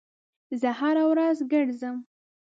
زه هر ورځ ګرځم